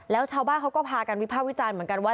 แล้วชาวบ้านเขาก็พากันวิภาควิจารณ์เหมือนกันว่า